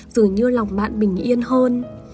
dường như lòng bạn bình yên hơn